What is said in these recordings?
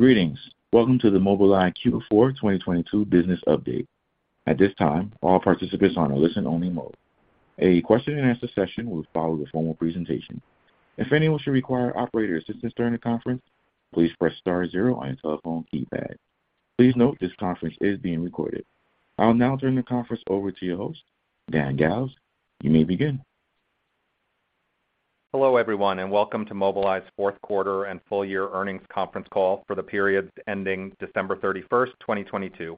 Greetings. Welcome to the Mobileye Q4 2022 business update. At this time, all participants are in listen-only mode. A question and answer session will follow the formal presentation. If anyone should require operator assistance during the conference, please press star zero on your telephone keypad. Please note this conference is being recorded. I'll now turn the conference over to your host, Dan Galves. You may begin. Hello, everyone, and welcome to Mobileye's fourth quarter and full year earnings conference call for the periods ending December 31st, 2022.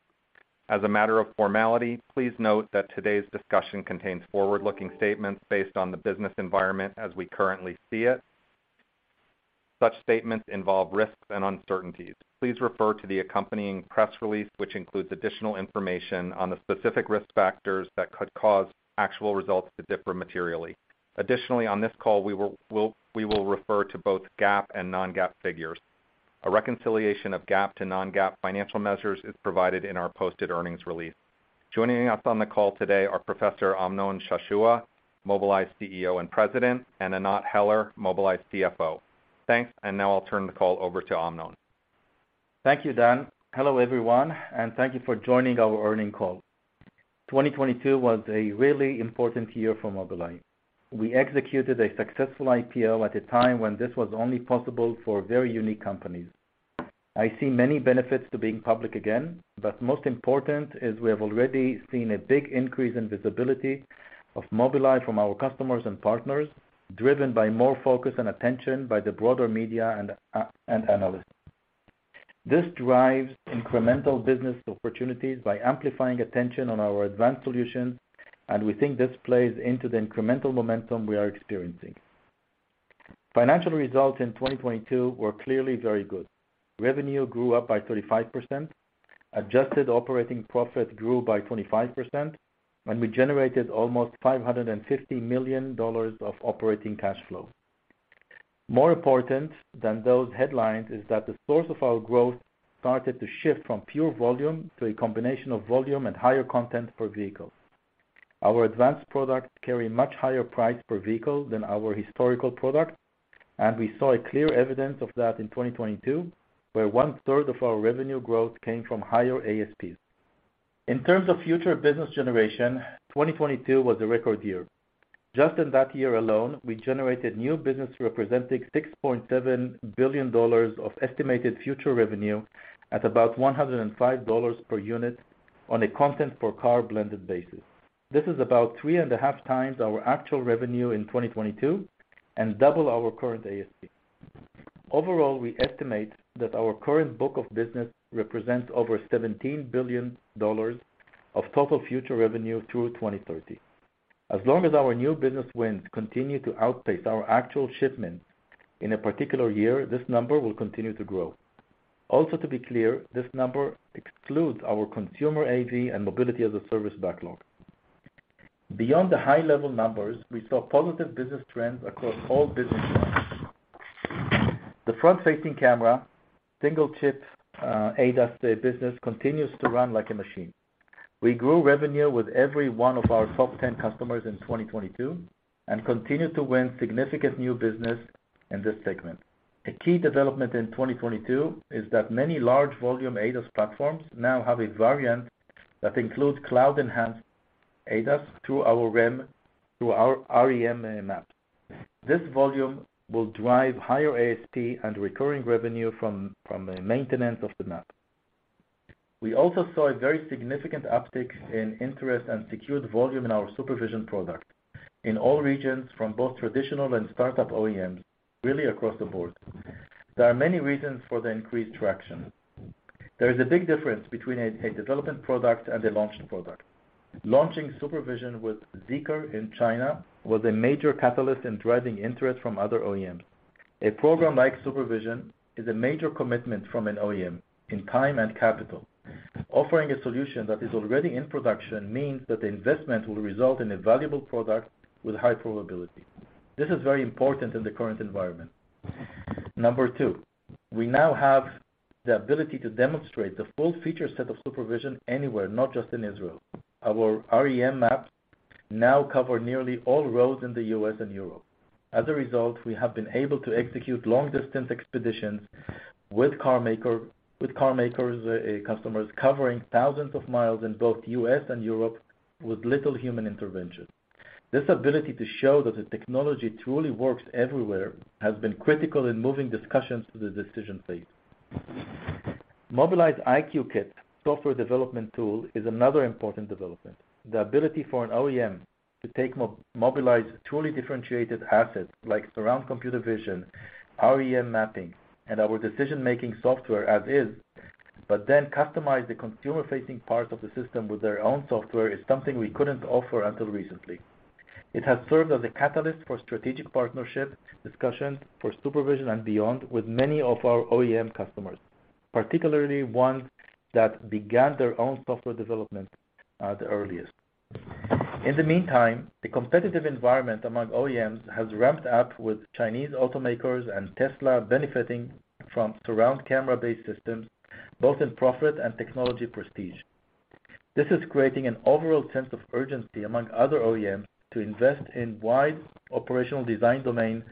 As a matter of formality, please note that today's discussion contains forward-looking statements based on the business environment as we currently see it. Such statements involve risks and uncertainties. Please refer to the accompanying press release, which includes additional information on the specific risk factors that could cause actual results to differ materially. Additionally, on this call, we will refer to both GAAP and non-GAAP figures. A reconciliation of GAAP to non-GAAP financial measures is provided in our posted earnings release. Joining us on the call today are Professor Amnon Shashua, Mobileye's CEO and President, and Anat Heller, Mobileye's CFO. Thanks, and now I'll turn the call over to Amnon. Thank you, Dan. Hello, everyone, and thank you for joining our earning call. 2022 was a really important year for Mobileye. We executed a successful IPO at a time when this was only possible for very unique companies. I see many benefits to being public again, but most important is we have already seen a big increase in visibility of Mobileye from our customers and partners, driven by more focus and attention by the broader media and analysts. This drives incremental business opportunities by amplifying attention on our advanced solutions, we think this plays into the incremental momentum we are experiencing. Financial results in 2022 were clearly very good. Revenue grew up by 35%, adjusted operating profit grew by 25%, and we generated almost $550 million of operating cash flow. More important than those headlines is that the source of our growth started to shift from pure volume to a combination of volume and higher content per vehicle. Our advanced products carry much higher price per vehicle than our historical products, and we saw clear evidence of that in 2022, where one-third of our revenue growth came from higher ASPs. In terms of future business generation, 2022 was a record year. Just in that year alone, we generated new business representing $6.7 billion of estimated future revenue at about $105 per unit on a content per car blended basis. This is about 3.5x our actual revenue in 2022 and double our current ASP. Overall, we estimate that our current book of business represents over $17 billion of total future revenue through 2030. As long as our new business wins continue to outpace our actual shipments in a particular year, this number will continue to grow. Also, to be clear, this number excludes our consumer AV and mobility as a service backlog. Beyond the high level numbers, we saw positive business trends across all business lines. The front-facing camera, single chip, ADAS business continues to run like a machine. We grew revenue with every one of our top 10 customers in 2022 and continue to win significant new business in this segment. A key development in 2022 is that many large volume ADAS platforms now have a variant that includes cloud-enhanced ADAS through our REM map. This volume will drive higher ASP and recurring revenue from the maintenance of the map. We also saw a very significant uptick in interest and secured volume in our Mobileye SuperVision product in all regions from both traditional and start-up OEMs, really across the board. There are many reasons for the increased traction. There is a big difference between a development product and a launched product. Launching Mobileye SuperVision with Zeekr in China was a major catalyst in driving interest from other OEMs. A program like Mobileye SuperVision is a major commitment from an OEM in time and capital. Offering a solution that is already in production means that the investment will result in a valuable product with high probability. This is very important in the current environment. Number two, we now have the ability to demonstrate the full feature set of Mobileye SuperVision anywhere, not just in Israel. Our REM maps now cover nearly all roads in the U.S. and Europe. As a result, we have been able to execute long-distance expeditions with carmakers, customers covering thousands of miles in both U.S. and Europe with little human intervention. This ability to show that the technology truly works everywhere has been critical in moving discussions to the decision phase. Mobileye's EyeQ Kit software development tool is another important development. The ability for an OEM to take Mobileye's truly differentiated assets like surround computer vision, REM mapping, and our decision-making software as is, but then customize the consumer-facing part of the system with their own software, is something we couldn't offer until recently. It has served as a catalyst for strategic partnership discussions for SuperVision and beyond with many of our OEM customers, particularly ones that began their own software development at the earliest. In the meantime, the competitive environment among OEMs has ramped up with Chinese automakers and Tesla benefiting from surround camera-based systems, both in profit and technology prestige. This is creating an overall sense of urgency among other OEMs to invest in wide operational design domain,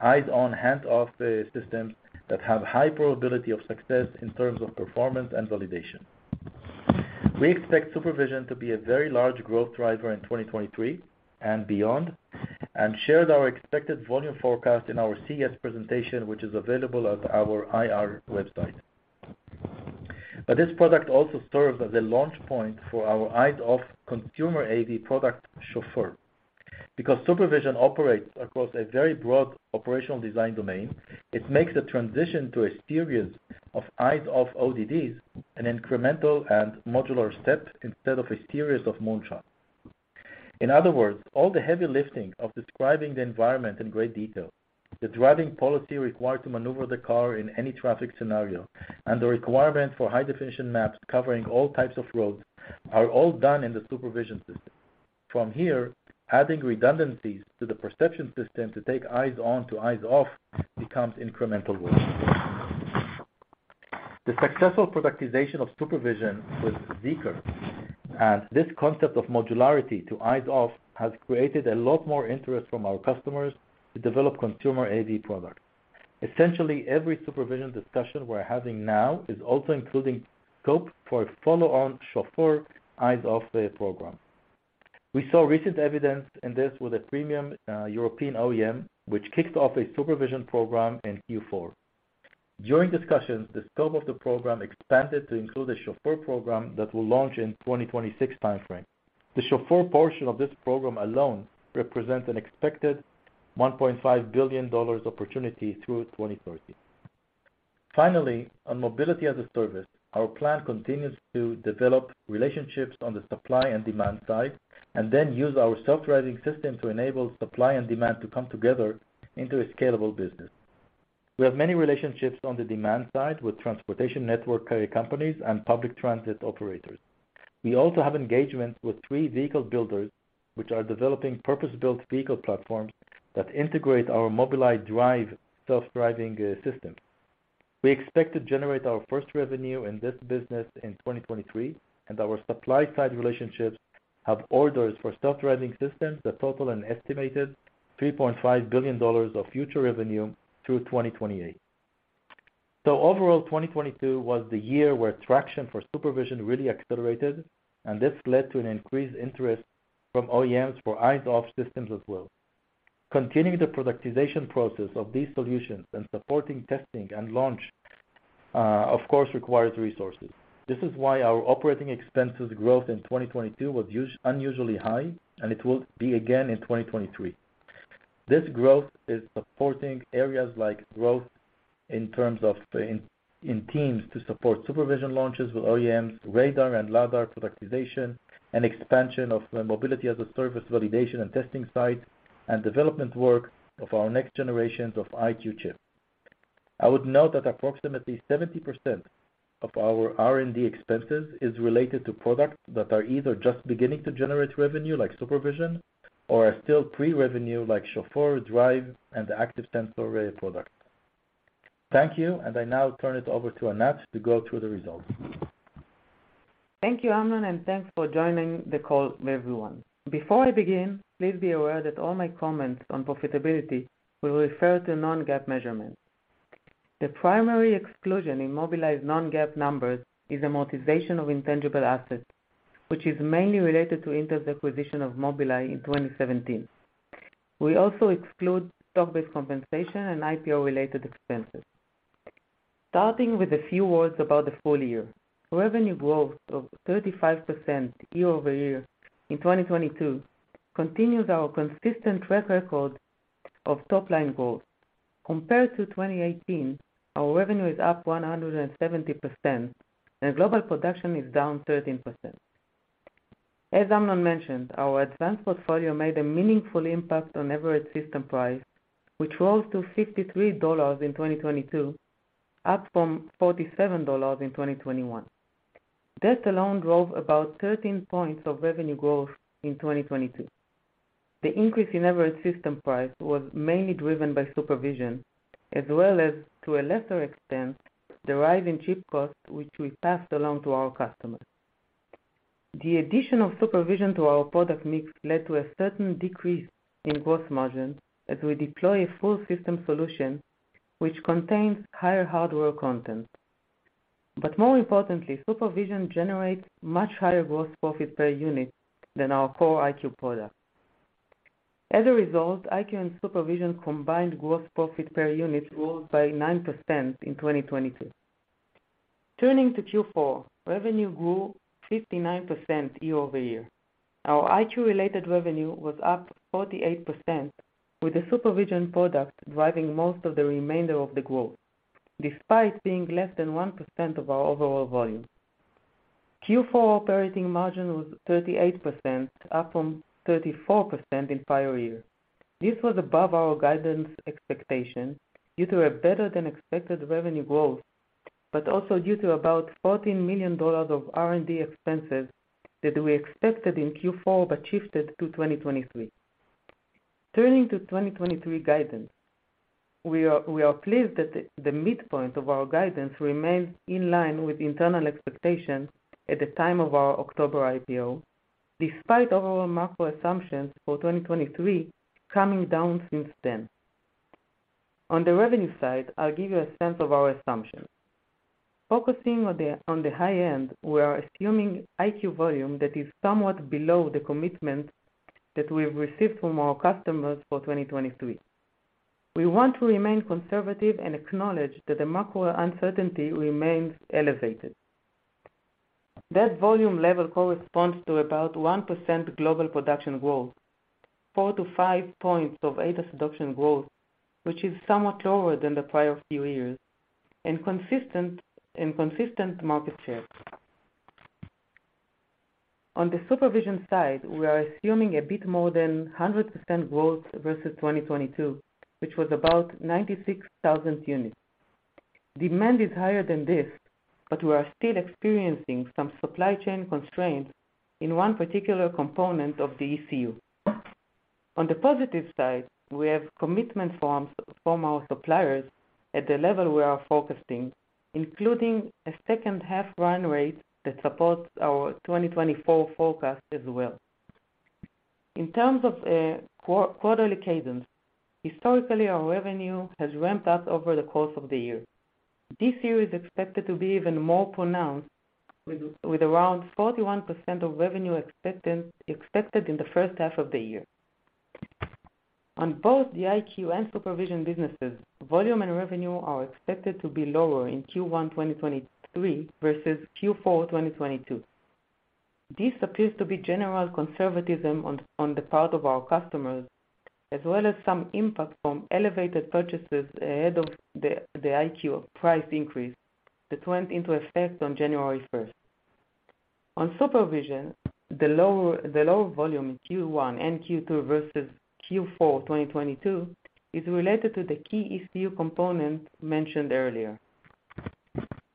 eyes on, hands off the system that have high probability of success in terms of performance and validation. We expect SuperVision to be a very large growth driver in 2023 and beyond, and shared our expected volume forecast in our CES presentation, which is available at our IR website. This product also serves as a launch point for our eyes-off consumer AD product, Chauffeur. Because SuperVision operates across a very broad operational design domain, it makes the transition to a series of eyes-off ODDs an incremental and modular step instead of a series of moonshots. In other words, all the heavy lifting of describing the environment in great detail, the driving policy required to maneuver the car in any traffic scenario, and the requirement for high-definition maps covering all types of roads are all done in the SuperVision system. From here, adding redundancies to the perception system to take eyes on to eyes off becomes incremental work. The successful productization of SuperVision with Zeekr and this concept of modularity to eyes off has created a lot more interest from our customers to develop consumer AD products. Essentially, every SuperVision discussion we're having now is also including scope for a follow on Chauffeur eyes off program. We saw recent evidence in this with a premium European OEM, which kicked off a SuperVision program in Q4. During discussions, the scope of the program expanded to include a Chauffeur program that will launch in 2026 timeframe. The Chauffeur portion of this program alone represents an expected $1.5 billion opportunity through 2030. On mobility as a service, our plan continues to develop relationships on the supply and demand side, and then use our self-driving system to enable supply and demand to come together into a scalable business. We have many relationships on the demand side with transportation network companies and public transit operators. We also have engagements with three vehicle builders, which are developing purpose-built vehicle platforms that integrate our Mobileye Drive self-driving system. We expect to generate our first revenue in this business in 2023, and our supply side relationships have orders for self-driving systems that total an estimated $3.5 billion of future revenue through 2028. Overall, 2022 was the year where traction for SuperVision really accelerated, and this led to an increased interest from OEMs for eyes-off systems as well. Continuing the productization process of these solutions and supporting testing and launch, of course, requires resources. This is why our OpEx growth in 2022 was unusually high, and it will be again in 2023. This growth is supporting areas like growth in terms of teams to support SuperVision launches with OEMs, radar and lidar productization, and expansion of mobility as a service validation and testing site and development work of our next generations of EyeQ chips. I would note that approximately 70% of our R&D expenses is related to products that are either just beginning to generate revenue like SuperVision or are still pre-revenue like Mobileye Chauffeur, Mobileye Drive and the active sensor array product. Thank you. I now turn it over to Anat to go through the results. Thank you, Amnon. Thanks for joining the call, everyone. Before I begin, please be aware that all my comments on profitability will refer to non-GAAP measurements. The primary exclusion in Mobileye's non-GAAP numbers is amortization of intangible assets, which is mainly related to Intel's acquisition of Mobileye in 2017. We also exclude stock-based compensation and IPO-related expenses. Starting with a few words about the full year. Revenue growth of 35% year-over-year in 2022 continues our consistent track record of top line growth. Compared to 2018, our revenue is up 170%. Global production is down 13%. As Amnon mentioned, our advanced portfolio made a meaningful impact on average system price, which rose to $53 in 2022, up from $47 in 2021. That alone drove about 13 points of revenue growth in 2022. The increase in average system price was mainly driven by SuperVision as well as, to a lesser extent, the rise in chip costs which we passed along to our customers. The addition of SuperVision to our product mix led to a certain decrease in gross margin as we deploy a full system solution which contains higher hardware content. More importantly, SuperVision generates much higher gross profit per unit than our core EyeQ product. As a result, EyeQ and SuperVision combined gross profit per unit rose by 9% in 2022. Turning to Q4, revenue grew 59% year-over-year. Our EyeQ-related revenue was up 48% with the SuperVision product driving most of the remainder of the growth, despite being less than 1% of our overall volume. Q4 operating margin was 38%, up from 34% in prior year. This was above our guidance expectation due to a better than expected revenue growth, but also due to about $14 million of R&D expenses that we expected in Q4 but shifted to 2023. Turning to 2023 guidance. We are pleased that the midpoint of our guidance remains in line with internal expectations at the time of our October IPO, despite overall macro assumptions for 2023 coming down since then. On the revenue side, I'll give you a sense of our assumptions. Focusing on the high end, we are assuming EyeQ volume that is somewhat below the commitment that we've received from our customers for 2023. We want to remain conservative and acknowledge that the macro uncertainty remains elevated. That volume level corresponds to about 1% global production growth, 4-5 points of ADAS adoption growth, which is somewhat lower than the prior few years, and consistent market share. On the SuperVision side, we are assuming a bit more than 100% growth versus 2022, which was about 96,000 units. Demand is higher than this, but we are still experiencing some supply chain constraints in one particular component of the ECU. On the positive side, we have commitment forms from our suppliers at the level we are forecasting, including a second half run rate that supports our 2024 forecast as well. In terms of quarterly cadence, historically, our revenue has ramped up over the course of the year. This year is expected to be even more pronounced with around 41% of revenue expected in the first half of the year. On both the EyeQ and SuperVision businesses, volume and revenue are expected to be lower in Q1 2023 versus Q4 2022. This appears to be general conservatism on the part of our customers, as well as some impact from elevated purchases ahead of the EyeQ price increase that went into effect on January first. On SuperVision, the lower volume in Q1 and Q2 versus Q4 2022 is related to the key ECU component mentioned earlier.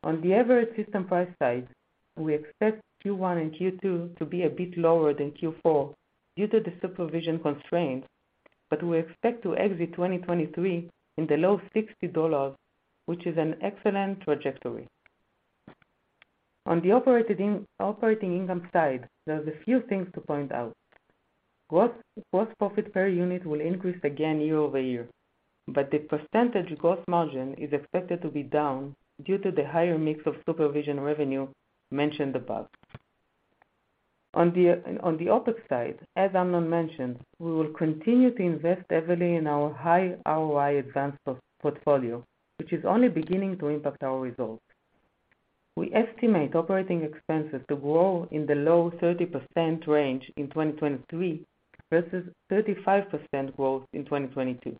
On the average system price side, we expect Q1 and Q2 to be a bit lower than Q4 due to the SuperVision constraints, but we expect to exit 2023 in the low $60, which is an excellent trajectory. On the operating income side, there's a few things to point out. Gross profit per unit will increase again year over year, but the percentage gross margin is expected to be down due to the higher mix of SuperVision revenue mentioned above. On the OpEx side, as Amnon mentioned, we will continue to invest heavily in our high ROI advanced portfolio, which is only beginning to impact our results. We estimate operating expenses to grow in the low 30% range in 2023 versus 35% growth in 2022.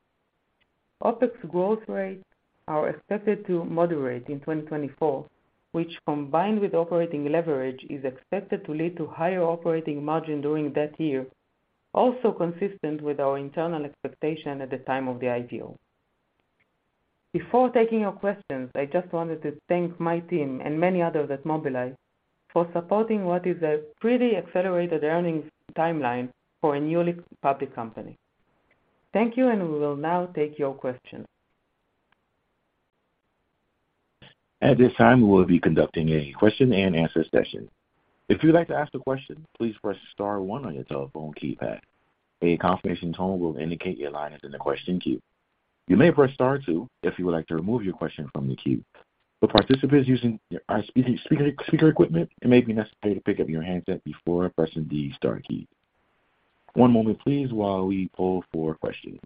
OpEx growth rate are expected to moderate in 2024, which combined with operating leverage, is expected to lead to higher operating margin during that year, also consistent with our internal expectation at the time of the IPO. Before taking your questions, I just wanted to thank my team and many others at Mobileye for supporting what is a pretty accelerated earnings timeline for a newly public company. Thank you. We will now take your questions. At this time, we'll be conducting a question and answer session. If you'd like to ask a question, please press star one on your telephone keypad. A confirmation tone will indicate your line is in the question queue. You may press star two if you would like to remove your question from the queue. For participants using your ISP speaker equipment, it may be necessary to pick up your handset before pressing the star key. One moment please while we poll for questions.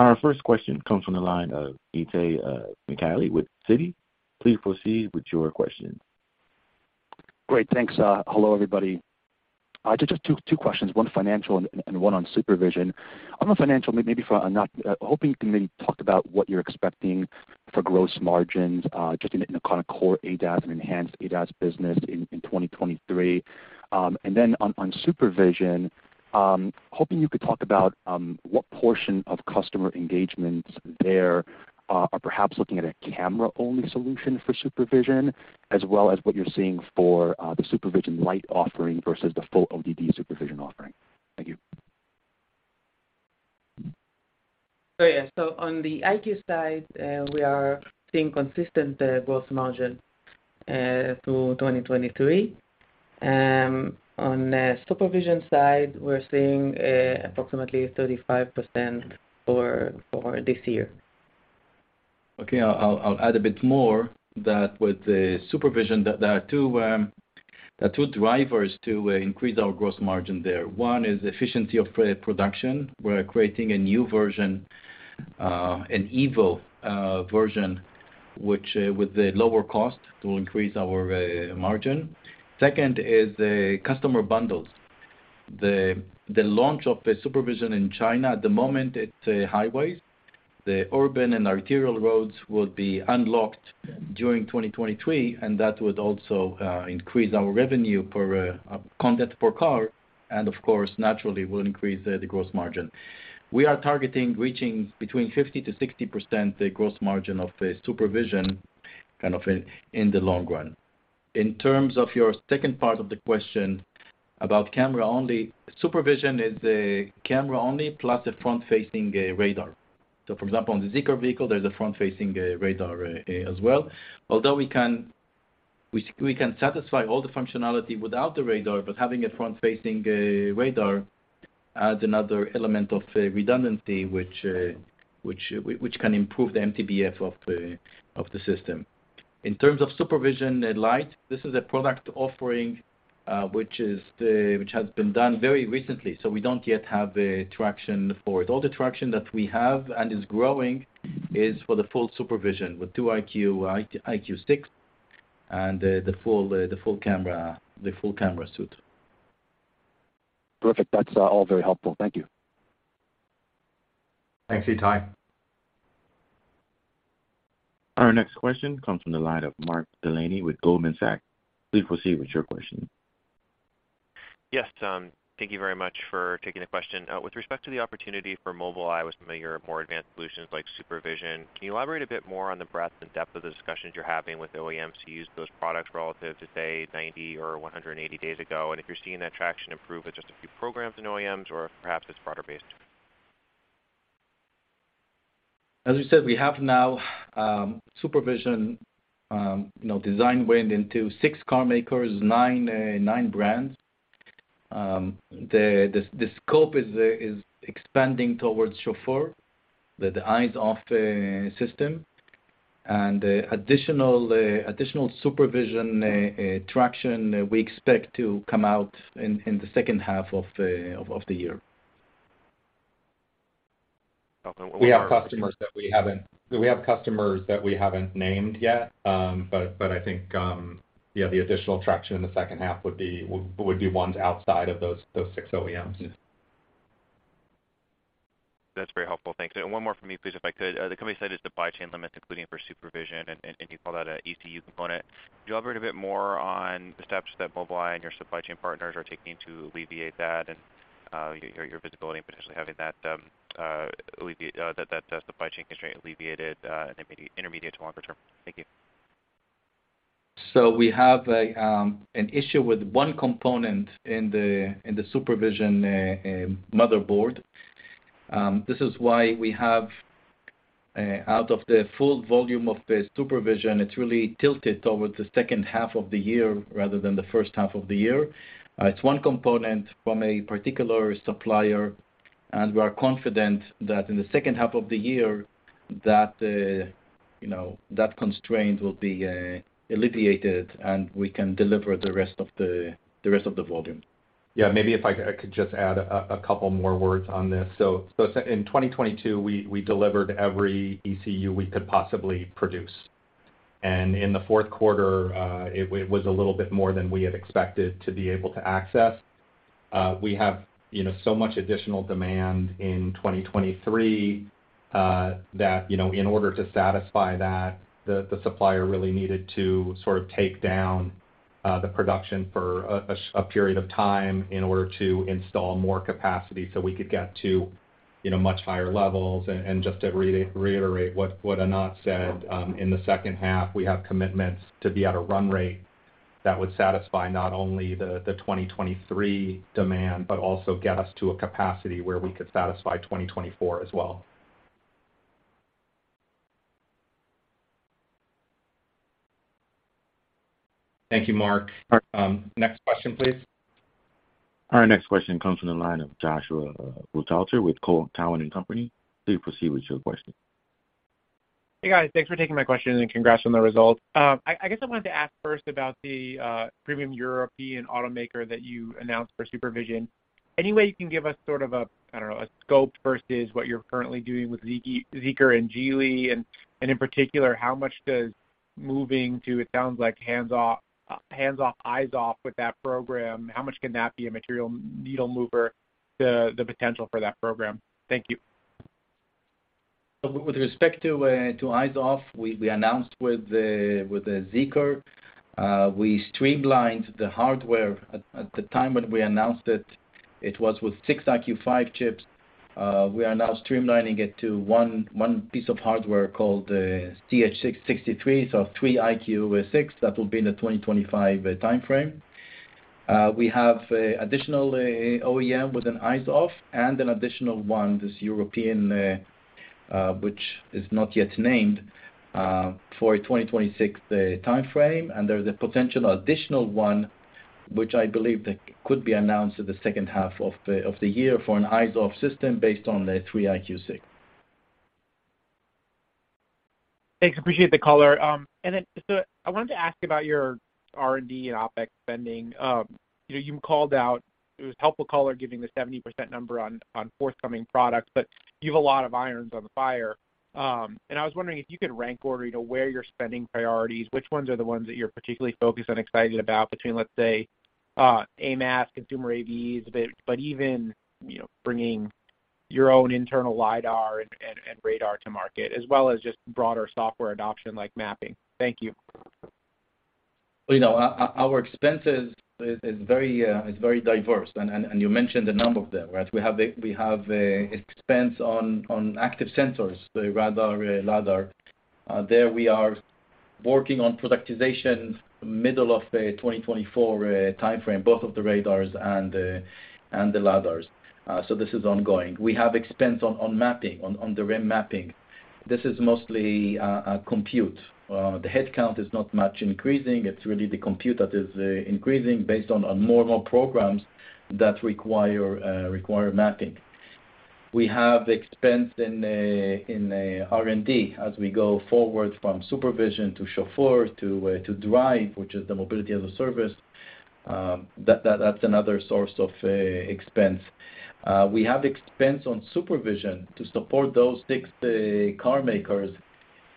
Our first question comes from the line of Itay Michaeli with Citi. Please proceed with your question. Great, thanks. Hello, everybody. Just two questions, one financial and one on SuperVision. On the financial, maybe for Amnon, hoping you can maybe talk about what you're expecting for gross margins, just in the kind of core ADAS and enhanced ADAS business in 2023. On SuperVision, hoping you could talk about what portion of customer engagements there are perhaps looking at a camera-only solution for SuperVision, as well as what you're seeing for the SuperVision light offering versus the full ODD SuperVision offering. Thank you. Oh, yeah. On the EyeQ side, we are seeing consistent growth margin through 2023. On the SuperVision side, we're seeing approximately 35% for this year. I'll add a bit more that with the Mobileye SuperVision that there are two drivers to increase our gross margin there. One is efficiency of production. We're creating a new version, an Evo version, which with the lower cost to increase our margin. Second is the customer bundles. The launch of the Mobileye SuperVision in China, at the moment, it's highways. The urban and arterial roads will be unlocked during 2023, that would also increase our revenue per content per car, and of course, naturally will increase the gross margin. We are targeting reaching between 50%-60% the gross margin of the Mobileye SuperVision, kind of in the long run. In terms of your second part of the question about camera-only, Mobileye SuperVision is a camera-only, plus a front-facing radar. For example, on the Zeekr vehicle, there's a front-facing radar as well. Although we can satisfy all the functionality without the radar, but having a front-facing radar adds another element of redundancy which can improve the MTBF of the system. In terms of SuperVision and Lite, this is a product offering which has been done very recently, so we don't yet have a traction for it. All the traction that we have, and is growing, is for the full SuperVision with two EyeQ, EyeQ6 and the full camera suite. Perfect. That's all very helpful. Thank you. Thanks, Itay. Our next question comes from the line of Mark Delaney with Goldman Sachs. Please proceed with your question. Yes, thank you very much for taking the question. With respect to the opportunity for Mobileye with some of your more advanced solutions like SuperVision, can you elaborate a bit more on the breadth and depth of the discussions you're having with OEMs to use those products relative to, say, 90 or 180 days ago? If you're seeing that traction improve with just a few programs in OEMs or if perhaps it's broader based. As we said, we have now, you know, SuperVision design went into six car makers, nine brands. The scope is expanding towards Chauffeur with the eyes off the system. Additional SuperVision traction we expect to come out in the second half of the year. Okay. One more. We have customers that we haven't named yet. I think, yeah, the additional traction in the second half would be ones outside of those 6 OEMs. That's very helpful. Thanks. One more from me, please, if I could. The company said it's the supply chain limits, including for SuperVision, and you call that an ECU component. Could you elaborate a bit more on the steps that Mobileye and your supply chain partners are taking to alleviate that and your visibility in potentially having that supply chain constraint alleviated in the intermediate to longer term? Thank you. We have an issue with 1 component in the SuperVision motherboard. This is why we have out of the full volume of the SuperVision, it's really tilted over the second half of the year rather than the first half of the year. It's 1 component from a particular supplier, we are confident that in the second half of the year, that, you know, that constraint will be alleviated and we can deliver the rest of the volume. Yeah. Maybe if I could just add a couple more words on this. In 2022, we delivered every ECU we could possibly produce. In the fourth quarter, it was a little bit more than we had expected to be able to access. We have, you know, so much additional demand in 2023 that, you know, in order to satisfy that, the supplier really needed to sort of take down the production for a period of time in order to install more capacity so we could get to, you know, much higher levels. Just to reiterate what Anat said, in the second half, we have commitments to be at a run rate that would satisfy not only the 2023 demand, but also get us to a capacity where we could satisfy 2024 as well. Thank you, Mark. All right. Next question, please. Our next question comes from the line of Joshua Buchalter with Cowen and Company. Please proceed with your question. Hey, guys. Thanks for taking my question, and congrats on the results. I guess I wanted to ask first about the premium European automaker that you announced for SuperVision. Any way you can give us sort of a, I don't know, a scope versus what you're currently doing with Zeekr and Geely? In particular, how much does moving to, it sounds like hands-off, eyes-off with that program, how much can that be a material needle mover, the potential for that program? Thank you. With respect to eyes-off, we announced with the Zeekr, we streamlined the hardware. At the time when we announced it was with 6 EyeQ5 chips. We are now streamlining it to one piece of hardware called TH663, so 3 EyeQ6. That will be in the 2025 timeframe. We have additional OEM with an eyes-off and an additional one, this European, which is not yet named, for a 2026 timeframe. There's a potential additional one, which I believe that could be announced in the second half of the year for an eyes-off system based on the 3 EyeQ6. Thanks. Appreciate the color. I wanted to ask about your R&D and OpEx spending. You know, it was helpful color giving the 70% number on forthcoming products, but you have a lot of irons on the fire. I was wondering if you could rank order, you know, where your spending priorities, which ones are the ones that you're particularly focused and excited about between, let's say, MaaS, consumer AVs, but even, you know, bringing your own internal lidar and radar to market, as well as just broader software adoption like mapping. Thank you. You know, our expenses is very diverse, and you mentioned a number of them, right? We have a expense on active sensors, the radar, lidar. There we are working on productization middle of the 2024 timeframe, both of the radars and the lidars. This is ongoing. We have expense on mapping, on the REM mapping. This is mostly compute. The head count is not much increasing. It's really the compute that is increasing based on more and more programs that require mapping. We have expense in R&D as we go forward from SuperVision to Chauffeur to Drive, which is the mobility as a service. That's another source of expense. We have expense on SuperVision to support those 6 car makers.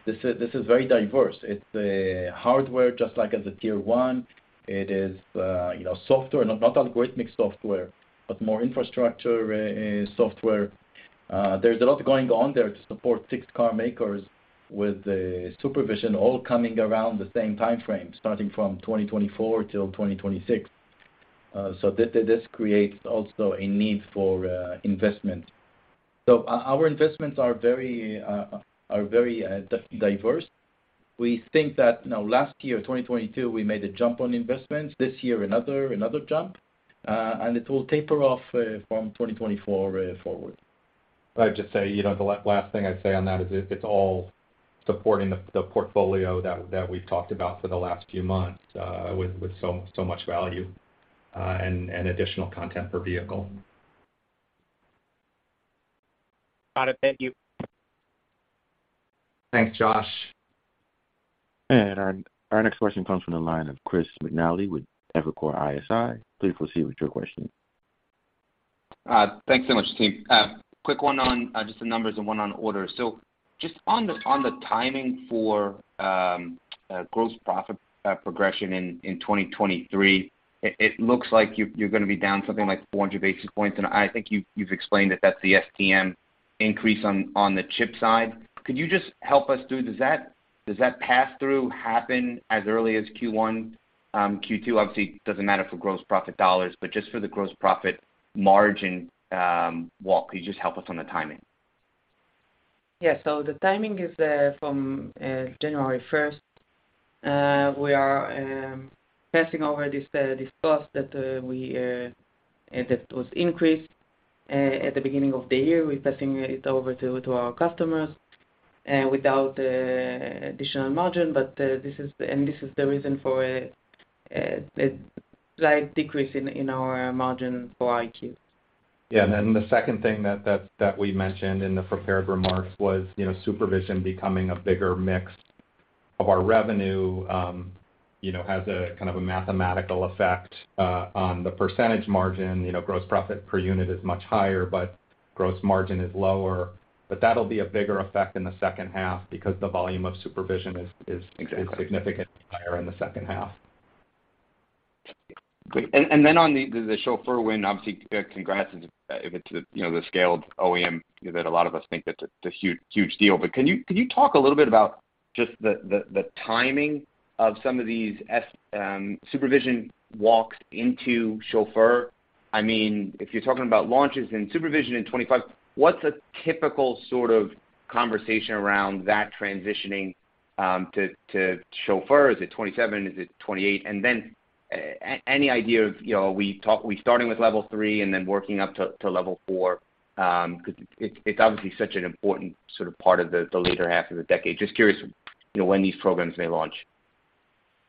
This is very diverse. It's hardware, just like as a Tier 1. It is, you know, software, not algorithmic software, but more infrastructure software. There's a lot going on there to support 6 car makers with the SuperVision all coming around the same timeframe, starting from 2024 till 2026. This creates also a need for investment. Our investments are very diverse. We think that, you know, last year, 2022, we made a jump on investments. This year, another jump. It will taper off from 2024 forward. I'd just say, you know, the last thing I'd say on that is it's all supporting the portfolio that we've talked about for the last few months, with so much value and additional content per vehicle. Got it. Thank you. Thanks, Josh. Our next question comes from the line of Chris McNally with Evercore ISI. Please proceed with your question. Thanks so much, team. Quick one on just the numbers and one on orders. Just on the timing for gross profit progression in 2023, it looks like you're gonna be down something like 400 basis points, and I think you've explained that that's the STMicroelectronics increase on the chip side. Could you just help us through, does that pass through happen as early as Q1? Q2 obviously doesn't matter for gross profit dollars, but just for the gross profit margin, could you just help us on the timing? The timing is from January 1st. We are passing over this cost that we that was increased. At the beginning of the year, we're passing it over to our customers without additional margin. This is the reason for a slight decrease in our margin for EyeQ. Yeah. The second thing that we mentioned in the prepared remarks was, you know, SuperVision becoming a bigger mix of our revenue, you know, has a kind of a mathematical effect on the percentage margin. You know, gross profit per unit is much higher, but gross margin is lower. That'll be a bigger effect in the second half because the volume of SuperVision is Exactly... significantly higher in the second half. Great. Then on the Chauffeur win, obviously, congrats if it's, you know, the scaled OEM that a lot of us think that's a huge, huge deal. Can you talk a little bit about just the timing of some of these SuperVision walks into Chauffeur? I mean, if you're talking about launches in SuperVision in 25, what's a typical sort of conversation around that transitioning to Chauffeur? Is it 27? Is it 28? Then any idea of, you know, are we starting with level three and then working up to level four? 'Cause it's obviously such an important sort of part of the later half of the decade. Just curious, you know, when these programs may launch.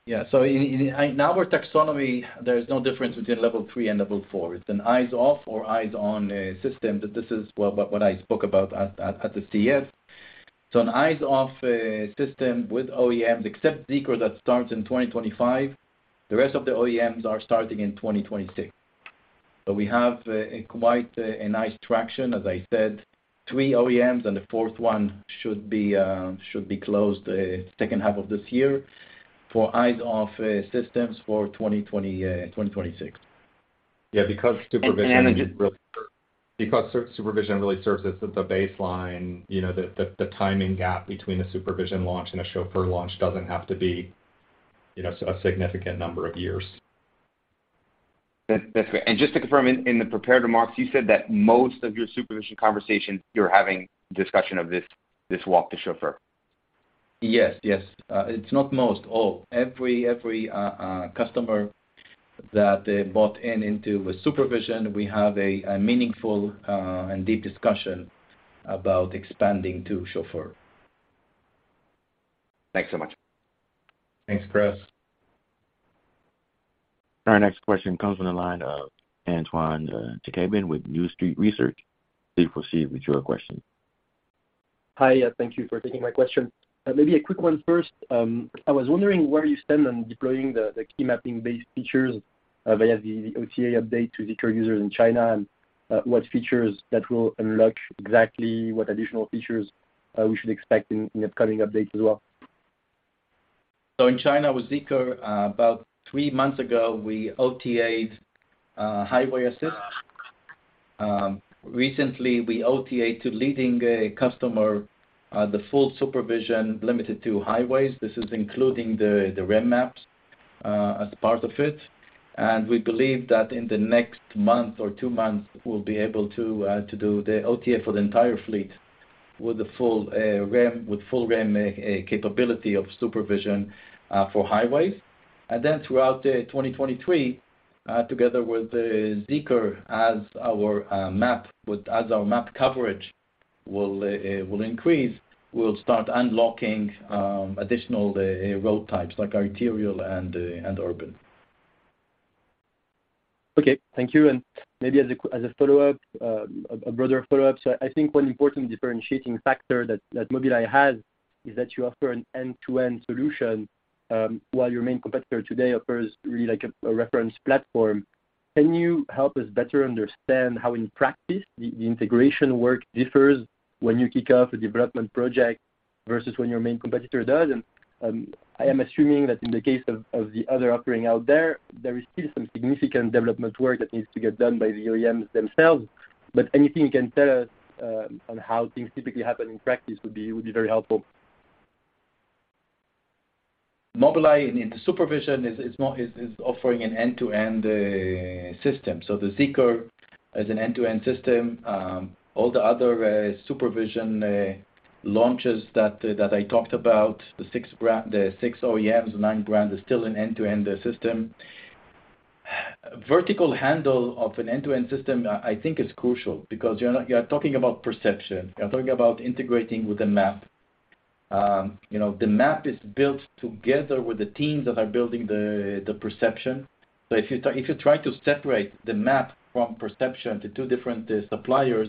Yeah. In our taxonomy, there's no difference between level three and level four. It's an eyes off or eyes on system. This is what I spoke about at the CES. An eyes off system with OEMs, except Zeekr that starts in 2025, the rest of the OEMs are starting in 2026. We have quite a nice traction. As I said, 3 OEMs and the fourth one should be closed second half of this year for eyes off systems for 2026. Yeah, because SuperVision. And, and just- Because SuperVision really serves as the baseline, you know, the timing gap between a SuperVision launch and a Chauffeur launch doesn't have to be, you know, a significant number of years. That's great. Just to confirm, in the prepared remarks, you said that most of your Mobileye SuperVision conversations you're having discussion of this walk to Mobileye Chauffeur? Yes, yes. It's not most, all. Every customer that bought in into a SuperVision, we have a meaningful and deep discussion about expanding to Chauffeur. Thanks so much. Thanks, Chris. Our next question comes from the line of Antoine Chkaiban with New Street Research. Please proceed with your question. Hi. Thank you for taking my question. Maybe a quick one first. I was wondering where you stand on deploying the key mapping-based features via the OTA update to Zeekr users in China, and what features that will unlock exactly what additional features we should expect in upcoming updates as well. In China with Zeekr, about three months ago, we OTAed Highway Assist. Recently we OTAed to leading a customer, the full SuperVision limited to highways. This is including the REM maps as part of it. We believe that in the next month or two months we'll be able to do the OTA for the entire fleet with the full REM, with full REM capability of SuperVision for highways. Throughout 2023, together with Zeekr as our map coverage will increase, we'll start unlocking additional road types like arterial and urban. Okay, thank you. Maybe as a follow-up, a broader follow-up. I think one important differentiating factor that Mobileye has is that you offer an end-to-end solution, while your main competitor today offers really like a reference platform. Can you help us better understand how in practice the integration work differs when you kick off a development project versus when your main competitor does? I am assuming that in the case of the other offering out there is still some significant development work that needs to get done by the OEMs themselves. Anything you can tell us on how things typically happen in practice would be very helpful. Mobileye in, into SuperVision is offering an end-to-end system. The Zeekr is an end-to-end system. All the other SuperVision launches that I talked about, the six brand, the six OEMs, nine brands is still an end-to-end system. Vertical handle of an end-to-end system, I think is crucial because you're talking about perception. You're talking about integrating with a map. You know, the map is built together with the teams that are building the perception. If you try to separate the map from perception to two different suppliers,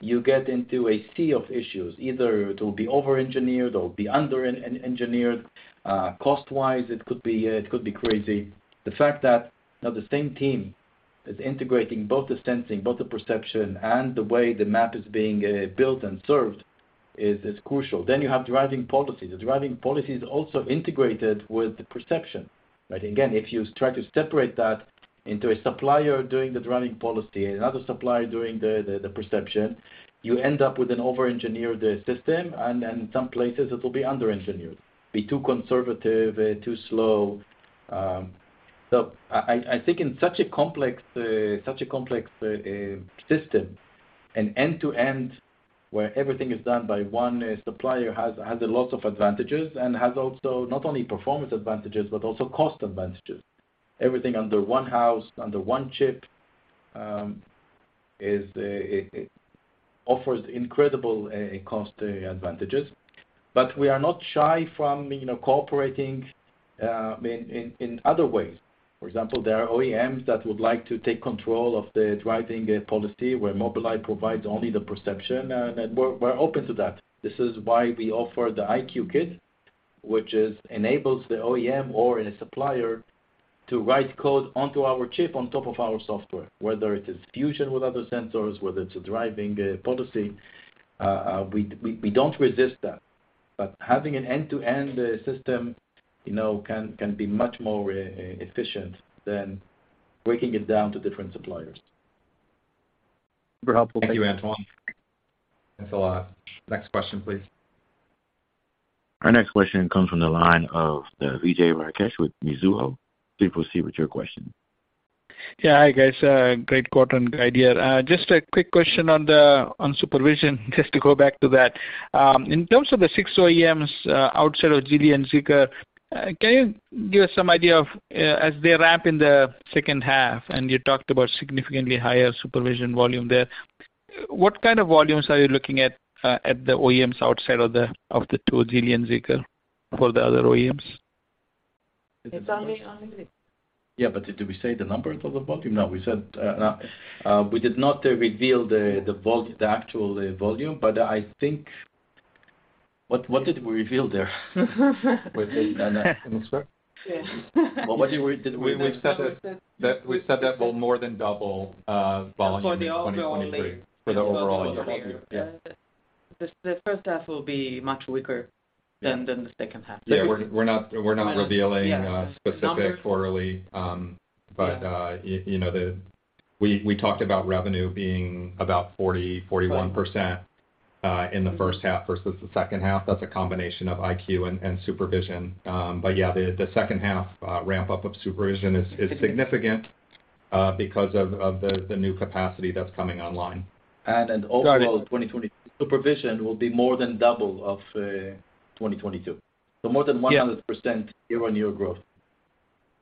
you get into a sea of issues. Either it'll be over-engineered or it'll be under-engineered. Cost-wise, it could be crazy. The fact that, you know, the same team is integrating both the sensing, both the perception, and the way the map is being built and served is crucial. You have driving policy. The driving policy is also integrated with the perception, right? Again, if you try to separate that into a supplier doing the driving policy and another supplier doing the perception, you end up with an over-engineered system, and then some places it will be under-engineered. Be too conservative, too slow. I think in such a complex, such a complex system, an end-to-end where everything is done by one supplier has a lot of advantages, and has also not only performance advantages, but also cost advantages. Everything under one house, under one chip is, it offers incredible cost advantages. We are not shy from, you know, cooperating in other ways. For example, there are OEMs that would like to take control of the driving policy where Mobileye provides only the perception, and we're open to that. This is why we offer the EyeQ Kit, which is enables the OEM or a supplier to write code onto our chip on top of our software, whether it is fusion with other sensors, whether it's a driving policy, we don't resist that. Having an end-to-end system, you know, can be much more efficient than breaking it down to different suppliers. Super helpful. Thank you. Thank you, Antoine. That's all I have. Next question, please. Our next question comes from the line of the Vijay Rakesh with Mizuho. Please proceed with your question. Hi guys, great quarter and guide year. Just a quick question on the, on SuperVision, just to go back to that. In terms of the six OEMs, outside of Geely and Zeekr, can you give us some idea of, as they ramp in the second half, and you talked about significantly higher SuperVision volume there, what kind of volumes are you looking at the OEMs outside of the, of the two, Geely and Zeekr, for the other OEMs? Yeah, but did we say the numbers of the volume? No. We said, we did not reveal the actual volume, but I think... What did we reveal there? Anat, can you explain? Yeah. Well, did we... we've said that we said that will more than double volume in 2023. For the overall only. For the overall volume. Yeah. The first half will be much weaker than the second half. Yeah. We're not revealing specifics quarterly. You know, we talked about revenue being about 40-41% in the first half versus the second half. That's a combination of EyeQ and SuperVision. Yeah, the second half ramp up of SuperVision is significant because of the new capacity that's coming online. overall 2020 SuperVision will be more than double of, 2022. more than 100% year-on-year growth.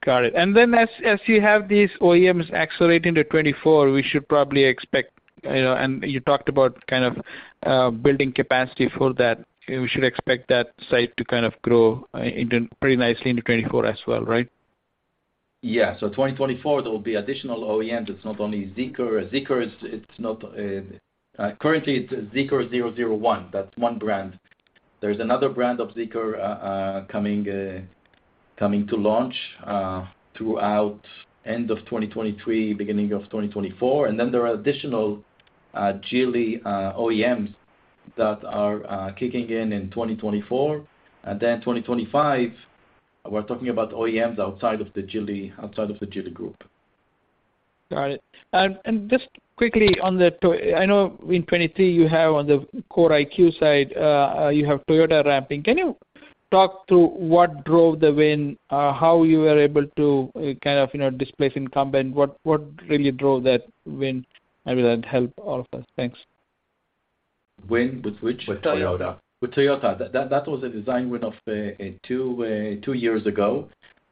Got it. As you have these OEMs accelerating to 2024, we should probably expect, you know, and you talked about kind of building capacity for that, we should expect that site to kind of grow pretty nicely into 2024 as well, right? Yeah. 2024, there will be additional OEMs. It's not only Zeekr. Zeekr. It's not currently Zeekr 001. That's one brand. There's another brand of Zeekr coming to launch throughout end of 2023, beginning of 2024. There are additional Geely OEMs that are kicking in in 2024. 2025. We're talking about OEMs outside of the Geely, outside of the Geely Group. Got it. Just quickly on the I know in 2023 you have on the EyeQ side, you have Toyota ramping. Can you talk to what drove the win, how you were able to, kind of, you know, displace incumbent? What really drove that win? Maybe that'd help all of us. Thanks. Win with which? With Toyota. With Toyota. That was a design win of 2 years ago.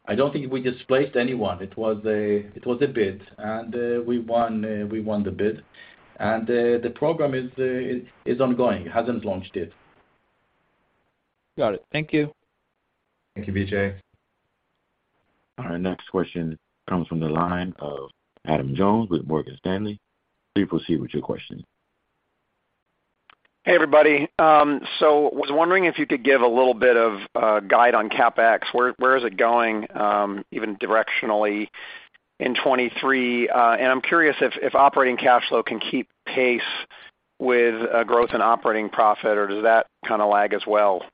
I don't think we displaced anyone. It was a bid, and we won the bid. The program is ongoing. It hasn't launched yet. Got it. Thank you. Thank you, Vijay. Our next question comes from the line of Adam Jonas with Morgan Stanley. Please proceed with your question. Hey, everybody. Was wondering if you could give a little bit of guide on CapEx. Where is it going, even directionally in 2023? I'm curious if operating cash flow can keep pace with growth and operating profit, or does that kinda lag as well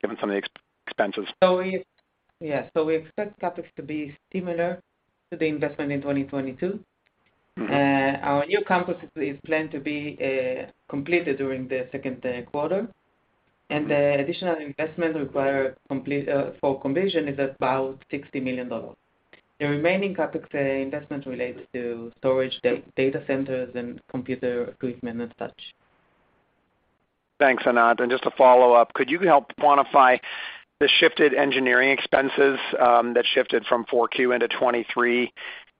given some of the ex-expenses? We expect CapEx to be similar to the investment in 2022. Mm-hmm. Our new campus is planned to be completed during the second quarter. The additional investment require complete for completion is about $60 million. The remaining CapEx investment relates to storage data centers and computer equipment and such. Thanks, Anat. Just a follow-up, could you help quantify the shifted engineering expenses that shifted from 4Q into 2023,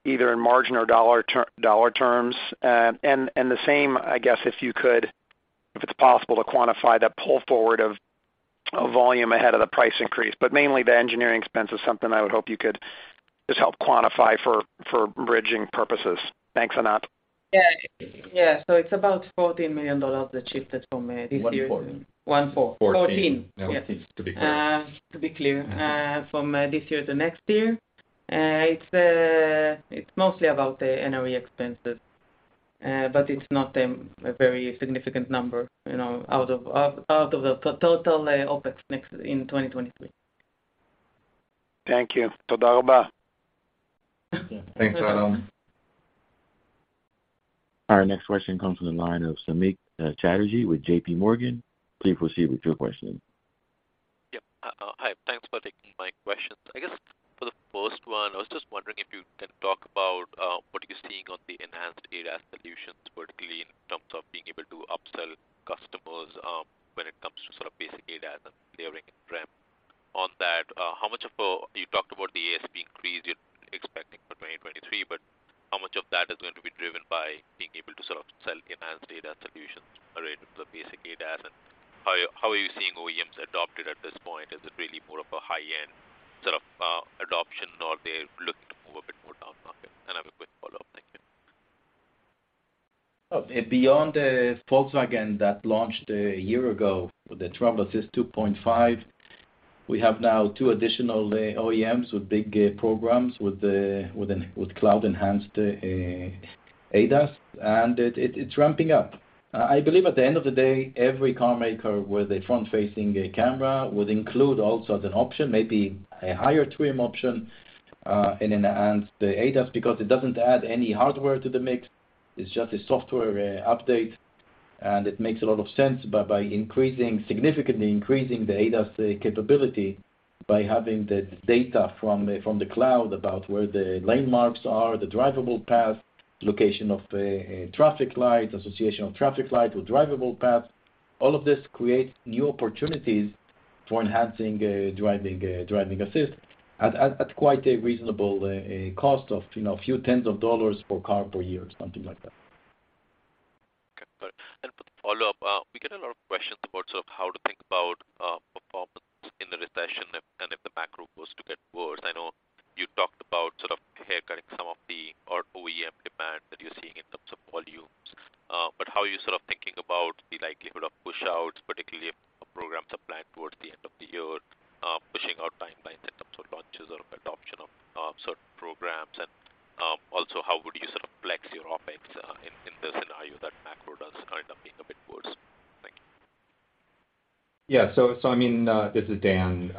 either in margin or dollar terms? And the same, I guess, if you could, if it's possible to quantify the pull forward of volume ahead of the price increase, but mainly the engineering expense is something I would hope you could just help quantify for bridging purposes. Thanks, Anat. Yeah. It's about $14 million that shifted from this year. One point. One four. Fourteen. 14. Yes. No, to be clear. To be clear, from this year to next year. It's mostly about the NRE expenses, but it's not a very significant number, you know, out of the total OpEx in 2023. Thank you. Thanks, Adam. Our next question comes from the line of Samik Chatterjee with JPMorgan. Please proceed with your question. Yep. Hi. Thanks for taking my questions. I guess for the first one, I was just wondering if you can talk about what you're seeing on the enhanced ADAS solutions, particularly in terms of being able to upsell customers when it comes to sort of basic ADAS and layering in REM. On that, how much of you talked about the ASP increase you're expecting for 2023, but how much of that is going to be driven by being able to sort of sell enhanced ADAS solutions related to the basic ADAS? How are you seeing OEMs adopt it at this point? Is it really more of a high-end sort of adoption, or are they looking to move a bit more down market? I have a quick follow-up. Thank you. Well, beyond Volkswagen that launched a year ago with the Travel Assist 2.5, we have now two additional OEMs with big programs with cloud-enhanced ADAS. It's ramping up. I believe at the end of the day, every car maker with a front-facing camera would include also as an option, maybe a higher trim option, an enhanced ADAS because it doesn't add any hardware to the mix. It's just a software update. It makes a lot of sense. by increasing, significantly increasing the ADAS capability by having the data from the cloud about where the lane marks are, the drivable path, location of traffic lights, association of traffic lights with drivable paths, all of this creates new opportunities for enhancing, driving assist at quite a reasonable cost of, you know, a few tens of dollars per car per year, something like that. Okay, got it. For the follow-up, we get a lot of questions about sort of how to think about performance in the recession and if the macro was to get worse. I know you talked about sort of haircutting some of the OEM demand that you're seeing in terms of volumes. How are you sort of thinking about the likelihood of pushouts, particularly if programs are planned towards the end of the year, pushing out timelines in terms of launches or adoption of certain programs? Also, how would you sort of flex your OpEx in the scenario that macro does end up being a bit worse? Thank you. Yeah. I mean, this is Dan.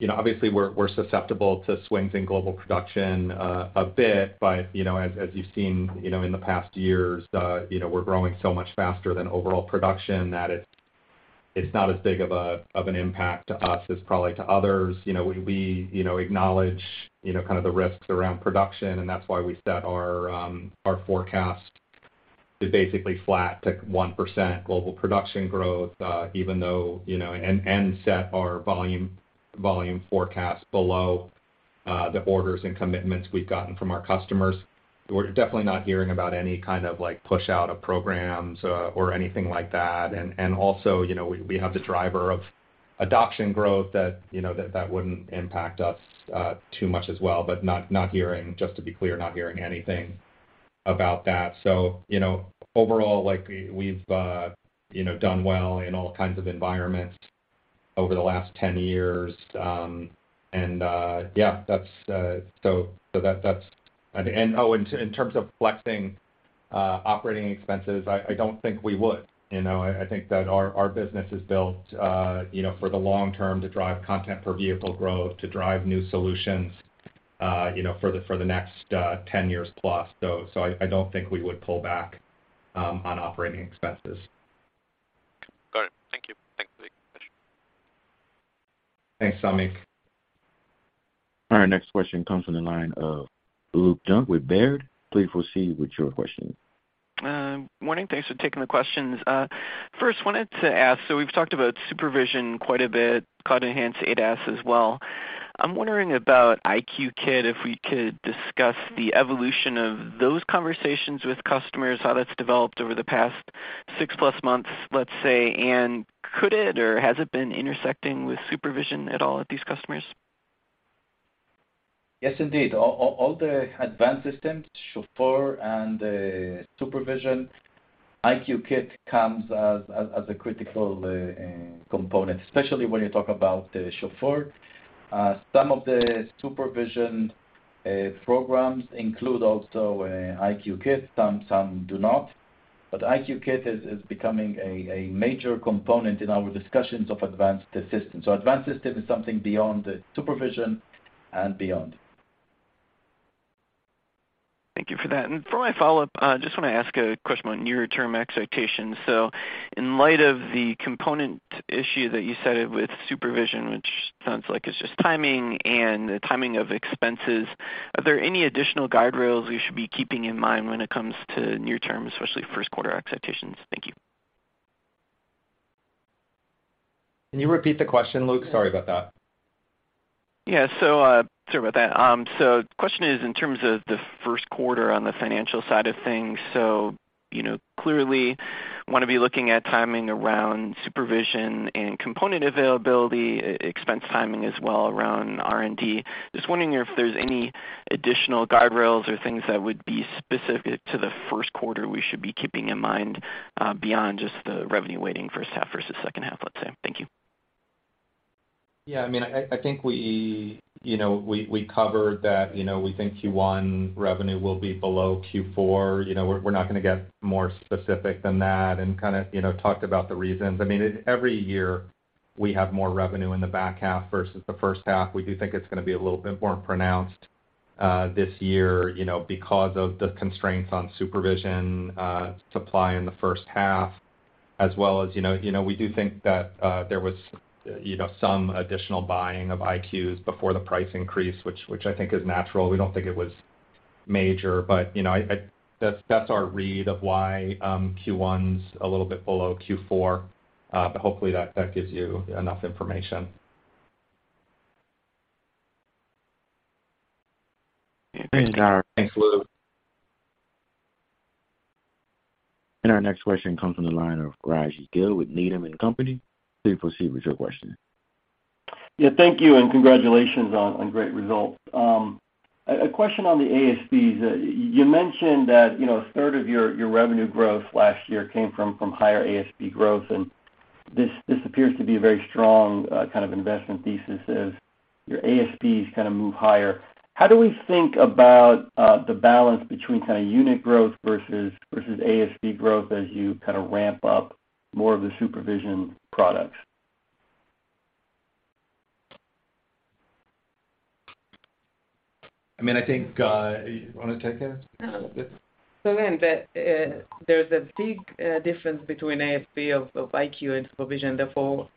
You know, obviously, we're susceptible to swings in global production a bit. You know, as you've seen, you know, in the past years, you know, we're growing so much faster than overall production that it's not as big of an impact to us as probably to others. You know, we, you know, acknowledge, you know, kind of the risks around production. That's why we set our forecast to basically flat to 1% global production growth, even though, you know, set our volume forecast below the orders and commitments we've gotten from our customers. We're definitely not hearing about any kind of, like, pushout of programs or anything like that. Also, you know, we have the driver of adoption growth that, you know, wouldn't impact us too much as well. Not hearing, just to be clear, not hearing anything about that. You know, overall, like, we've, you know, done well in all kinds of environments over the last 10 years. Yeah, that's. In terms of flexing operating expenses, I don't think we would. You know, I think that our business is built, you know, for the long term to drive content per vehicle growth, to drive new solutions, you know, for the next 10 years plus. I don't think we would pull back on operating expenses. Got it. Thank you. Thanks for the question. Thanks, Sameek. All right, next question comes from the line of Luke Junk with Baird. Please proceed with your question. Morning. Thanks for taking the questions. First, wanted to ask, we've talked about Mobileye SuperVision quite a bit, cloud enhanced ADAS as well. I'm wondering about EyeQ Kit, if we could discuss the evolution of those conversations with customers, how that's developed over the past 6-plus months, let's say. Could it or has it been intersecting with Mobileye SuperVision at all with these customers? Yes, indeed. All the advanced systems, Chauffeur and SuperVision, EyeQ Kit comes as a critical component, especially when you talk about the Chauffeur. Some of the SuperVision programs include also EyeQ Kit, some do not. EyeQ Kit is becoming a major component in our discussions of advanced systems. Advanced system is something beyond the SuperVision and beyond. Thank you for that. For my follow-up, I just want to ask a question on near-term expectations. In light of the component issue that you cited with SuperVision, which sounds like it's just timing and timing of expenses, are there any additional guardrails we should be keeping in mind when it comes to near term, especially first quarter expectations? Thank you. Can you repeat the question, Luke? Sorry about that. Sorry about that. The question is in terms of the first quarter on the financial side of things. You know, clearly wanna be looking at timing around SuperVision and component availability, OpEx timing as well around R&D. Just wondering if there's any additional guardrails or things that would be specific to the first quarter we should be keeping in mind, beyond just the revenue weighting first half versus second half, let's say. Thank you. Yeah. I mean, I think we, you know, we covered that, you know, we think Q1 revenue will be below Q4. You know, we're not gonna get more specific than that and kinda, you know, talked about the reasons. I mean, every year we have more revenue in the back half versus the first half. We do think it's gonna be a little bit more pronounced this year, you know, because of the constraints on SuperVision supply in the first half, as well as, you know, we do think that there was, you know, some additional buying of EyeQs before the price increase, which I think is natural. We don't think it was major, but, you know, that's our read of why Q1's a little bit below Q4. Hopefully that gives you enough information. Thanks, Tyler. Thanks, Luke. Our next question comes from the line of Rajvindra Gill with Needham & Company. Please proceed with your question. Yeah, thank you. Congratulations on great results. A question on the ASPs. You mentioned that, you know, a third of your revenue growth last year came from higher ASP growth. This appears to be a very strong kind of investment thesis as your ASPs kinda move higher. How do we think about the balance between kinda unit growth versus ASP growth as you kinda ramp up more of the SuperVision products? I mean, I think, you wanna take it? Again, there's a big difference between ASP of EyeQ and SuperVision.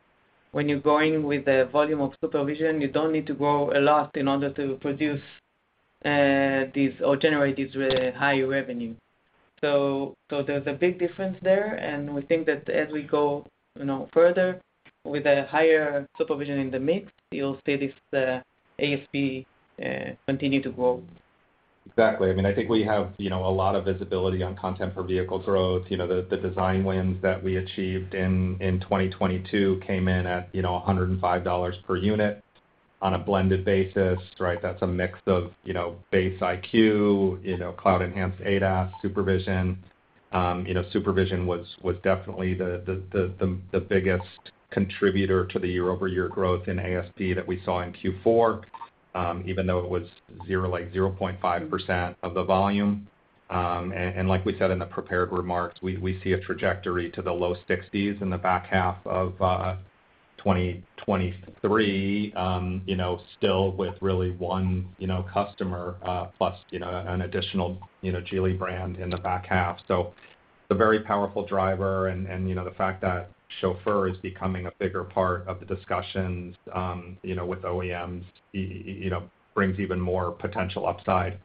When you're going with the volume of SuperVision, you don't need to grow a lot in order to produce these or generate these really high revenue. There's a big difference there, and we think that as we go, you know, further with a higher SuperVision in the mix, you'll see this ASP continue to grow. Exactly. I mean, I think we have, you know, a lot of visibility on content per vehicle growth. You know, the design wins that we achieved in 2022 came in at, you know, $105 per unit on a blended basis, right? That's a mix of, you know, base EyeQ, you know, cloud-enhanced ADAS, SuperVision. You know, SuperVision was definitely the biggest contributor to the year-over-year growth in ASP that we saw in Q4, even though it was like 0.5% of the volume. Like we said in the prepared remarks, we see a trajectory to the low 60s in the back half of 2023, you know, still with really one, you know, customer, plus, you know, an additional, you know, Geely brand in the back half. It's a very powerful driver and, you know, the fact that Mobileye Chauffeur is becoming a bigger part of the discussions, you know, with OEMs, you know, brings even more potential upside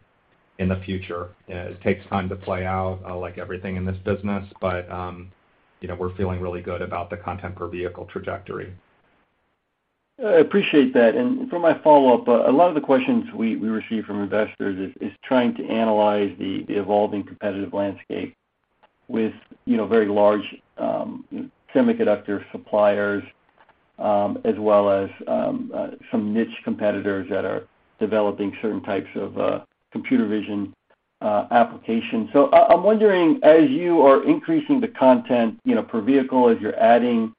in the future. It takes time to play out, like everything in this business, but, you know, we're feeling really good about the content per vehicle trajectory. I appreciate that. For my follow-up, a lot of the questions we receive from investors is trying to analyze the evolving competitive landscape with, you know, very large semiconductor suppliers, as well as some niche competitors that are developing certain types of computer vision applications. I'm wondering, as you are increasing the content, you know, per vehicle, as you're adding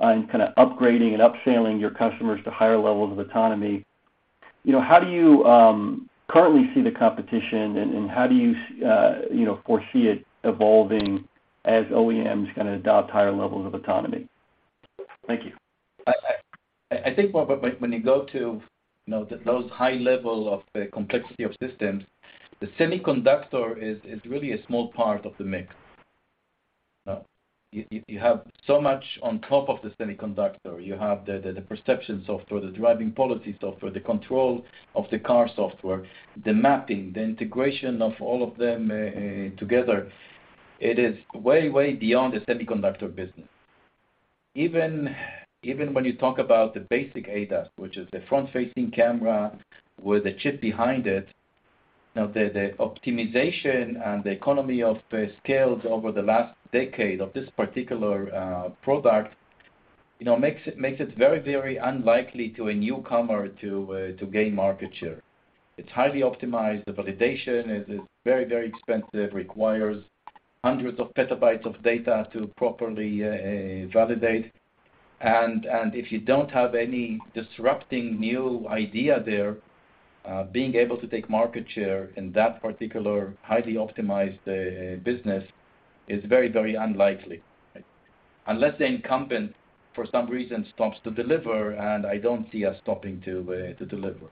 and kinda upgrading and upselling your customers to higher levels of autonomy. You know, how do you currently see the competition and how do you know, foresee it evolving as OEMs kind of adopt higher levels of autonomy? Thank you. I think, Robert, when you go to, you know, those high level of the complexity of systems, the semiconductor is really a small part of the mix. Now, you have so much on top of the semiconductor. You have the perception software, the driving policy software, the control of the car software, the mapping, the integration of all of them together. It is way beyond the semiconductor business. Even when you talk about the basic ADAS, which is the front-facing camera with a chip behind it, you know, the optimization and the economy of the scales over the last decade of this particular product, you know, makes it very, very unlikely to a newcomer to gain market share. It's highly optimized. The validation is very, very expensive. Requires hundreds of petabytes of data to properly validate. If you don't have any disrupting new idea there, being able to take market share in that particular highly optimized business is very unlikely, right? Unless the incumbent for some reason stops to deliver, and I don't see us stopping to deliver.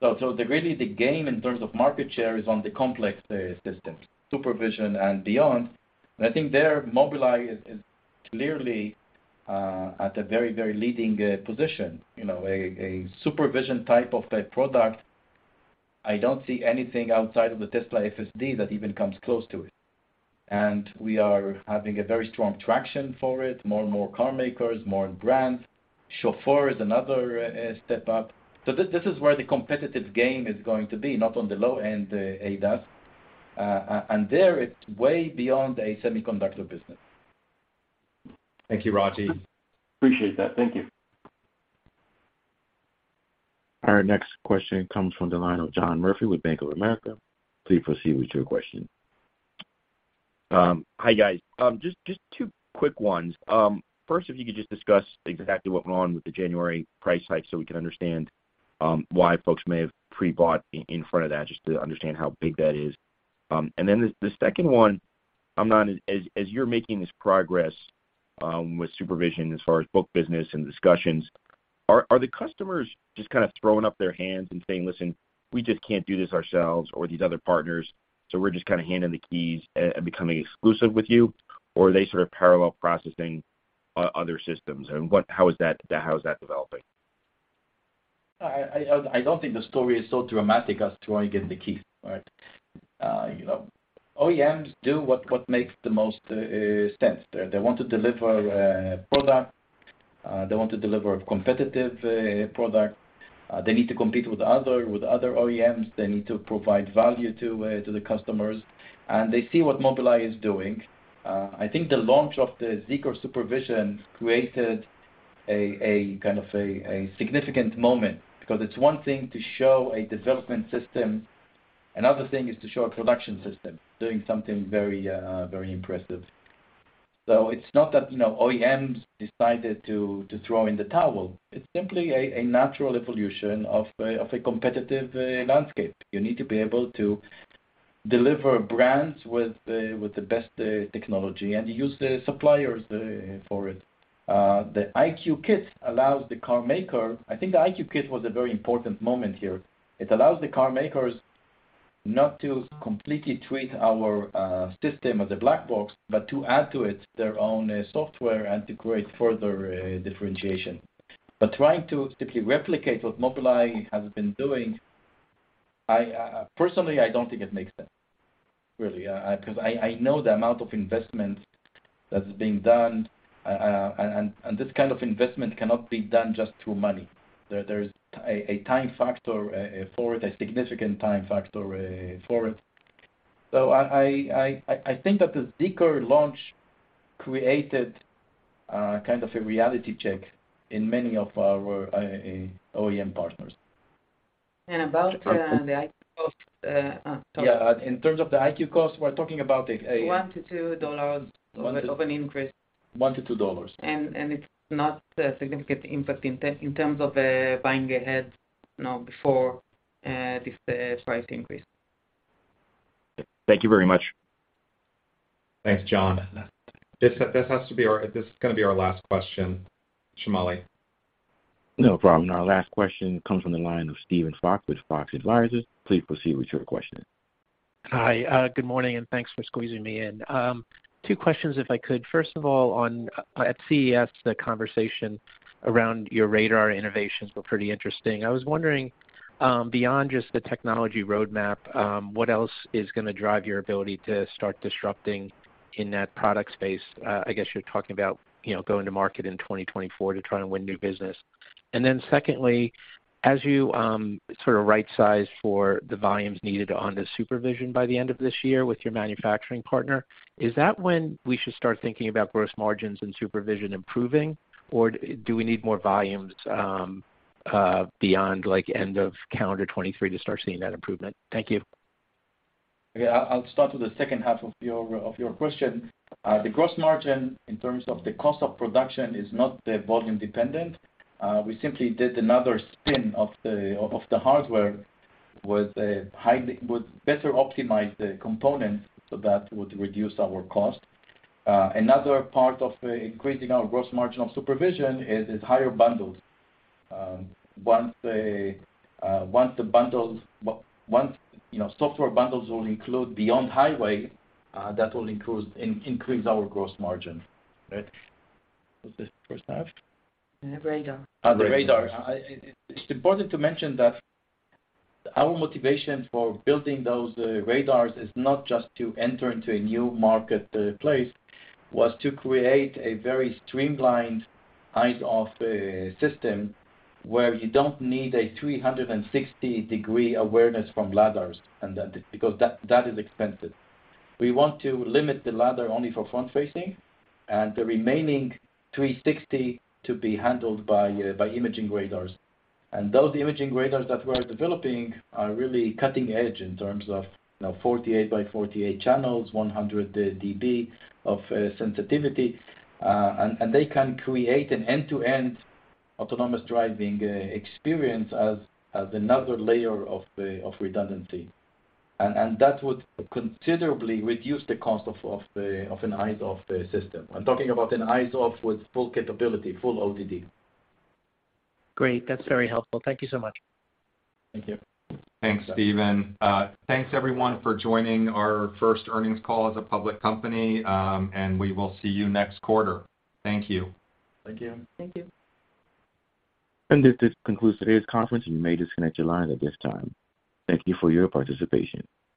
The really big gain in terms of market share is on the complex systems, SuperVision and beyond. I think there, Mobileye is clearly at a very leading position. You know, a SuperVision type of a product, I don't see anything outside of the Tesla FSD that even comes close to it. We are having a very strong traction for it, more and more car makers, more brands. Chauffeur is another step-up. This is where the competitive game is going to be, not on the low-end ADAS. There it's way beyond a semiconductor business. Thank you, Rajeev. Appreciate that. Thank you. Our next question comes from the line of John Murphy with Bank of America. Please proceed with your question. Hi, guys. Just two quick ones. First, if you could just discuss exactly what went on with the January price hike so we can understand why folks may have pre-bought in front of that, just to understand how big that is. The second one, Amnon, as you're making this progress with supervision as far as book business and discussions, are the customers just kind of throwing up their hands and saying, "Listen, we just can't do this ourselves or these other partners, so we're just kind of handing the keys and becoming exclusive with you," or are they sort of parallel processing other systems? How is that developing? I don't think the story is so dramatic as throwing in the keys, right? You know, OEMs do what makes the most sense. They want to deliver a product. They want to deliver a competitive product. They need to compete with other OEMs. They need to provide value to the customers. They see what Mobileye is doing. I think the launch of the ZEEKR SuperVision created a kind of a significant moment because it's one thing to show a development system, another thing is to show a production system doing something very impressive. It's not that, you know, OEMs decided to throw in the towel. It's simply a natural evolution of a competitive landscape. You need to be able to deliver brands with the best technology and use the suppliers for it. The EyeQ Kit allows the car maker. I think the EyeQ Kit was a very important moment here. It allows the car makers not to completely treat our system as a black box, but to add to it their own software and to create further differentiation. Trying to simply replicate what Mobileye has been doing, I personally, I don't think it makes sense, really. Because I know the amount of investment that's being done, and this kind of investment cannot be done just through money. There's a time factor for it, a significant time factor for it. I think that the Zeekr launch created, kind of a reality check in many of our OEM partners. About, the EyeQ cost. Yeah. In terms of the EyeQ cost, we're talking about. $1-$2 of an increase. $1-$2. It's not a significant impact in terms of buying ahead, you know, before this price increase. Thank you very much. Thanks, John. This has to be our last question. Shamali. No problem. Our last question comes from the line of Steve Fox with Fox Advisors. Please proceed with your question. Hi. Good morning, thanks for squeezing me in. 2 questions, if I could. First of all, at CES, the conversation around your radar innovations were pretty interesting. I was wondering, beyond just the technology roadmap, what else is gonna drive your ability to start disrupting in that product space? I guess you're talking about, you know, going to market in 2024 to try and win new business. Secondly, as you sort of right-size for the volumes needed on the Mobileye SuperVision by the end of this year with your manufacturing partner, is that when we should start thinking about gross margins and Mobileye SuperVision improving, or do we need more volumes beyond like end of calendar 23 to start seeing that improvement? Thank you. Okay. I'll start with the second half of your question. The gross margin in terms of the cost of production is not volume dependent. We simply did another spin of the hardware with better optimized components so that would reduce our cost. Another part of increasing our gross margin of SuperVision is higher bundles. Once the bundles, once, you know, software bundles will include beyond highway, that will increase our gross margin. Right. Was this first half? The radar. The radar. It's important to mention that our motivation for building those radars is not just to enter into a new market place. Was to create a very streamlined eyes-off system where you don't need a 360-degree awareness from lidars because that is expensive. We want to limit the lidar only for front-facing and the remaining 360 to be handled by imaging radars. Those imaging radars that we are developing are really cutting edge in terms of, you know, 48 by 48 channels, 100 DB of sensitivity. They can create an end-to-end autonomous driving experience as another layer of redundancy. That would considerably reduce the cost of an eyes-off system. I'm talking about an eyes off with full capability, full ODD. Great. That's very helpful. Thank you so much. Thank you. Thanks, Steven. Thanks everyone for joining our first earnings call as a public company. We will see you next quarter. Thank you. Thank you. Thank you. This concludes today's conference. You may disconnect your lines at this time. Thank you for your participation.